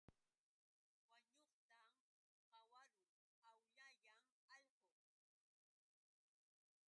Wañuqtaćh qawarun, awllayan allqu.